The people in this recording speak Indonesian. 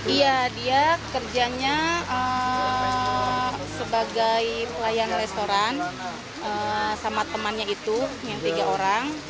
iya dia kerjanya sebagai pelayan restoran sama temannya itu yang tiga orang